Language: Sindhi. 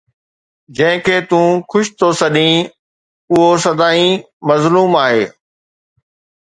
جنهن کي تون خوش ٿو سڏين، اهو سدائين مظلوم آهي